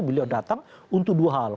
beliau datang untuk dua hal